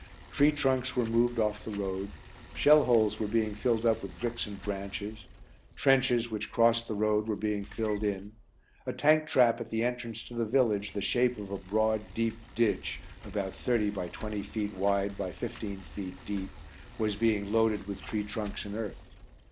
Tree trunks were moved off the road, shell holes were being filled up with bricks and branches, trenches, which crossed the road, were being filled in, a Tank trap at the entrance to the village, the shape of a broad, deep ditch, about thirty by twenty feet wide by fifteen feet deep, was being loaded with tree trunks and earth.